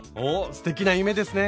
すてきな夢ですね。